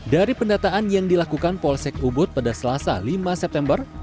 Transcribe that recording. dari pendataan yang dilakukan polsek ubud pada selasa lima september